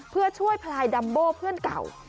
เพื่อช่วยพลายดัมโบ้เพื่อนเก่า